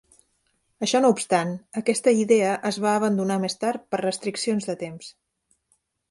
Això no obstant, aquesta idea es va abandonar més tard per restriccions de temps.